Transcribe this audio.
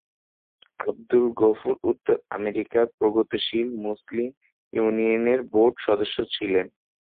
আবদুল-গফুর উত্তর আমেরিকার প্রগতিশীল মুসলিম ইউনিয়নের বোর্ড সদস্য ছিলেন।